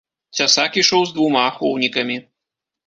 Цясак ішоў з двума ахоўнікамі.